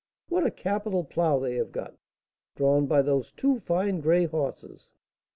What a capital plough they have got, drawn by those two fine gray horses.